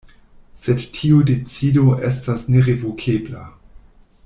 Sed tiu decido estas nerevokebla.